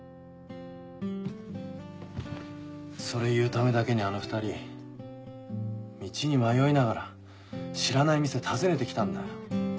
それ言うためだけにあの２人道に迷いながら知らない店訪ねて来たんだ。